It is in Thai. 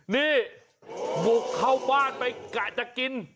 นี่บุกเข้าบ้านไปกิน